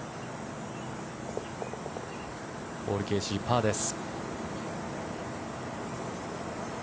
ポール・ケーシーパーです。